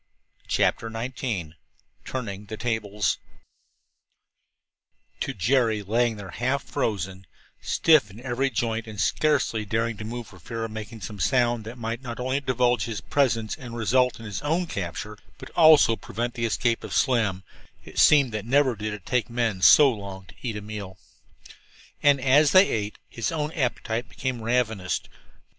CHAPTER XIX TURNING THE TABLES To Jerry, lying there half frozen, stiff in every joint and scarcely daring to move for fear of making some sound that might not only divulge his presence and result in his own capture, but also prevent the escape of Slim, it seemed that never did it take men so long to eat a meal. And as they ate, his own appetite became ravenous.